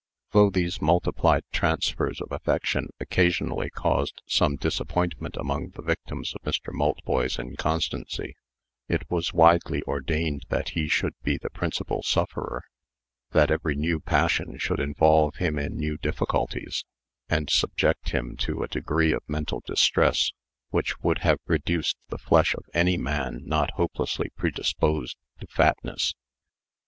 Though these multiplied transfers of affection occasionally caused some disappointment among the victims of Mr. Maltboy's inconstancy, it was wisely ordained that he should be the principal sufferer that every new passion should involve him in new difficulties, and subject him to a degree of mental distress which would have reduced the flesh of any man not hopelessly predisposed to fatness.